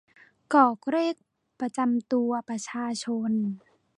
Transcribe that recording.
กรอกเลขประจำตัวประชาชน